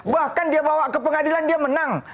bahkan dia bawa ke pengadilan dia menang